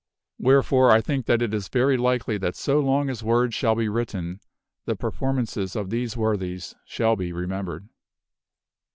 Wherefore, I think that it is 38 CONCLUSION very likely that so long as words shall be written, the performances of these worthies shall be remembered.